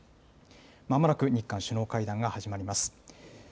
まもなく日韓首脳会談が始まります。